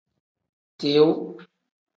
Tiu.